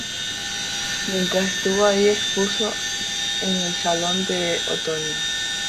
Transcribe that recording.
Mientras estuvo allí, expuso en el Salón de Otoño.